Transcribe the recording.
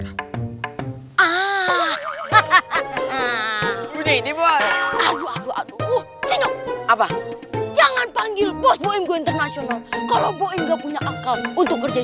aduh aduh aduh apa jangan panggil bos international kalau nggak punya akal untuk kerja